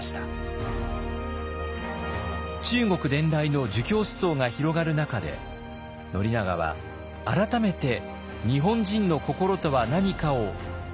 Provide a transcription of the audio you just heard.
中国伝来の儒教思想が広がる中で宣長は改めて日本人の心とは何かを問い直したのです。